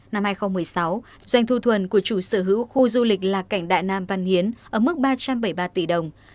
năm hai nghìn một mươi sáu doanh thu thuần của chủ sở hữu khu du lịch lạc cảnh đại nam văn hiến ở mức ba trăm bảy mươi ba tỷ đồng